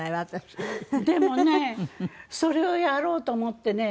でもねそれをやろうと思ってね